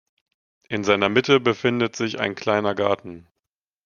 In seiner Mitte befindet sich ein kleiner Garten.